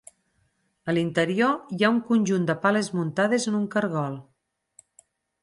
A l'interior, hi ha un conjunt de pales muntades en un cargol.